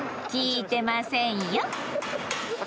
聞いてませんよ。